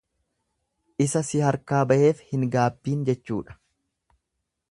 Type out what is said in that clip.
Isa si harkaa baheef hin gaabbiin jechuudha.